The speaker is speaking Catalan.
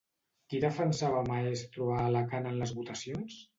Qui defensava a Maestro a Alacant en les votacions?